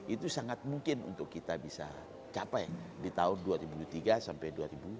itu sangat mungkin untuk kita bisa capai di tahun dua ribu tiga sampai dua ribu dua puluh